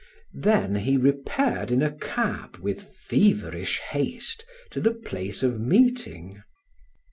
Then he repaired in a cab with feverish haste to the place of meeting.